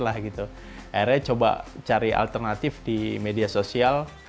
akhirnya coba cari alternatif di media sosial